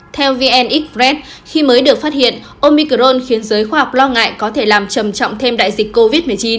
theo vn express khi mới được phát hiện omicron khiến giới khoa học lo ngại có thể làm trầm trọng thêm đại dịch covid một mươi chín